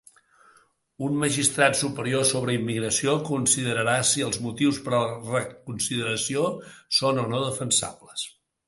Un magistrat superior sobre immigració considerarà si els motius per a la reconsideració són o no "defensables".